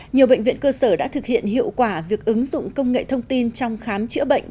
nhiều bệnh viện cơ sở đã thực hiện hiệu quả việc ứng dụng công nghệ thông tin trong khám chữa bệnh